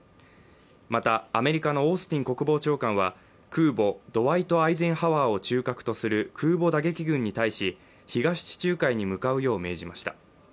また、アメリカのオースティン国防長官は空母「ドワイト・アイゼンハワー」を中核とする空母打撃群に対し、東地中海に向かうよう命じました。